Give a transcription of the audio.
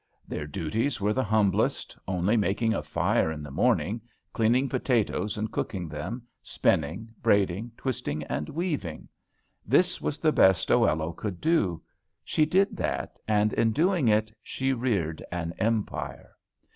Their duties were the humblest, only making a fire in the morning, cleaning potatoes and cooking them, spinning, braiding, twisting, and weaving. This was the best Oello could do. She did that, and in doing it she reared an empire.